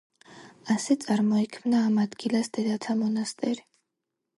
ასე წარმოიქმნა ამ ადგილას დედათა მონასტერი.